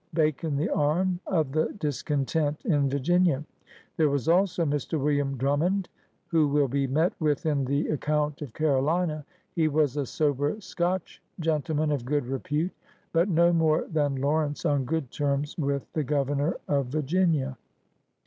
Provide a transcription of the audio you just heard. Bacon the arm, of the discontent in Virginia. There was also Mr. WiUiam Drummond, who will be met with in the account of Carolina. He was a "" sober Scotch gentleman of good repute "— but no more than Lawrence on good terms with the Governor of Virginia.